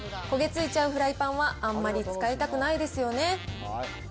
焦げ付いちゃうフライパンは、あんまり使いたくないですよね。